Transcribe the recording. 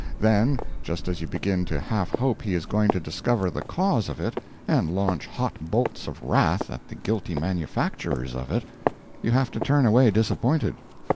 Then, just as you begin to half hope he is going to discover the cause of it and launch hot bolts of wrath at the guilty manufacturers of it, you have to turn away disappointed.